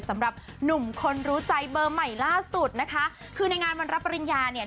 สำหรับหนุ่มคนรู้ใจเบอร์ใหม่ล่าสุดนะคะคือในงานวันรับปริญญาเนี่ย